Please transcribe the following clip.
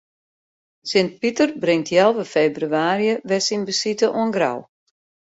Sint Piter bringt healwei febrewaarje wer syn besite oan Grou.